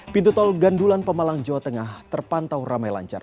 pintu tol gandulan pemalang jawa tengah terpantau ramai lancar